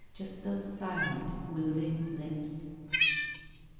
Just those silent moving lips.